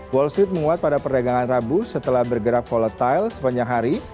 wall street menguat pada perdagangan rabu setelah bergerak volatile sepanjang hari